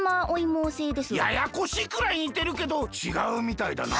ややこしいくらいにてるけどちがうみたいだな。